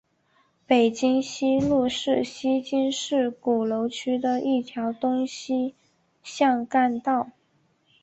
北京西路是南京市鼓楼区的一条东西向干道。